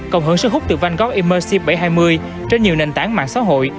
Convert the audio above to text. cộng hưởng sức hút từ van gogh immersive bảy trăm hai mươi trên nhiều nền tảng mạng xã hội